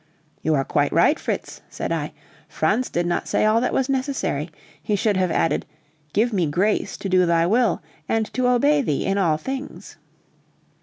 "You are quite right, Fritz," said I; "Franz did not say all that was necessary, he should have added, 'Give me grace to do Thy will, and to obey Thee in all things.'"